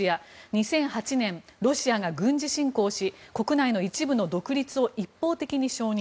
２００８年、ロシアが軍事侵攻し国内の一部の独立を一方的に承認。